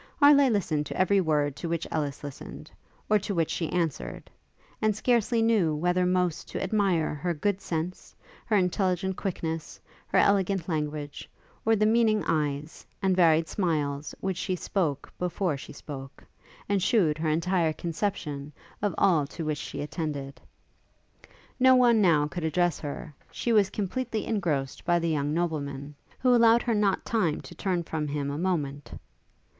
Harleigh listened to every word to which Ellis listened, or to which she answered; and scarcely knew whether most to admire her good sense, her intelligent quickness, her elegant language, or the meaning eyes, and varied smiles which spoke before she spoke, and shewed her entire conception of all to which she attended. No one now could address her; she was completely engrossed by the young nobleman, who allowed her not time to turn from him a moment.